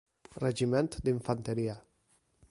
Regiment d'infanteria.